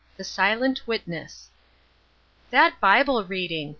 THE SILENT WITNESS. That Bible reading!